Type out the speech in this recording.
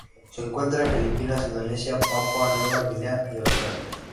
Se encuentran en Filipinas, Indonesia, Papúa Nueva Guinea y Australia.